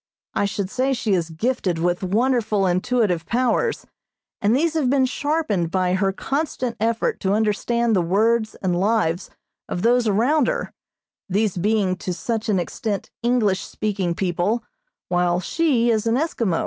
I should say she is gifted with wonderful intuitive powers, and these have been sharpened by her constant effort to understand the words and lives of those around her, these being to such an extent English speaking people, while she is an Eskimo.